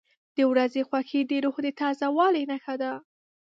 • د ورځې خوښي د روح د تازه والي نښه ده.